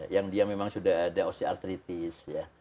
kalau memang sudah ada osteoartritis ya